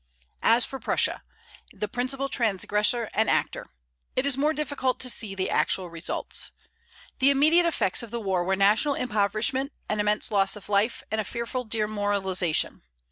As for Prussia, the principal transgressor and actor, it is more difficult to see the actual results. The immediate effects of the war were national impoverishment, an immense loss of life, and a fearful demoralization.